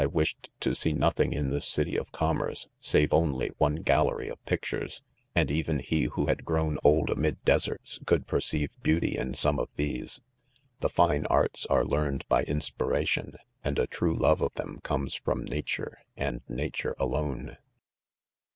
wished to see nothing in this city of com merce, save only one gallery of pictures ; and even be who had grown old amid deserts^ could perceive beauty in some of these. — The'fine arts are learned by inspiration, and a true love of them comes from, nature, and na° tore alone.